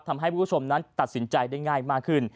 ทำให้ผู้ชมนั้นตัดสินใจได้ง่ายมากขึ้น